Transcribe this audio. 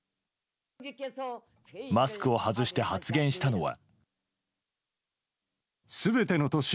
マスクを外して発言したのは。